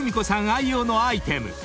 愛用のアイテム